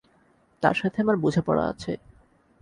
তার সাথে আমার বোঝাপড়া আছে।